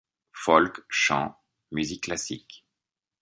Folk, chant, musique classique.